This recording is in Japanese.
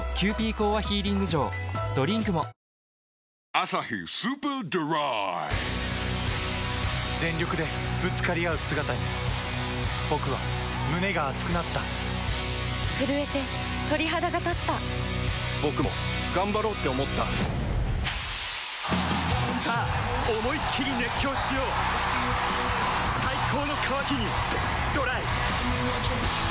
「アサヒスーパードライ」全力でぶつかり合う姿に僕は胸が熱くなった震えて鳥肌がたった僕も頑張ろうって思ったさあ思いっきり熱狂しよう最高の渇きにＤＲＹ